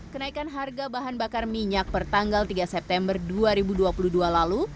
kenaikan harga bahan bakar minyak pertanggal tiga september dua ribu dua puluh dua lalu